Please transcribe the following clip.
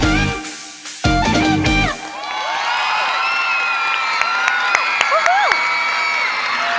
ดิน